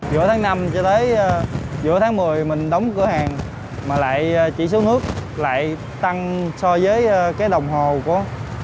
giữa tháng năm cho tới giữa tháng một mươi mình đóng cửa hàng mà lại chỉ số nước lại tăng so với cái đồng hồ của